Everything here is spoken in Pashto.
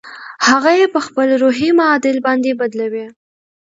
هغه يې په خپل روحي معادل باندې بدلوي.